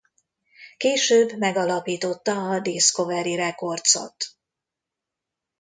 Később megalapította a Discovery Recordsot.